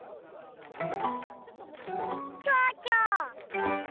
ちょうちょ。